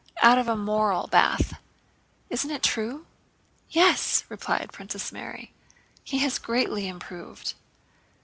Out of a moral bath. Isn't it true?" "Yes," replied Princess Mary. "He has greatly improved."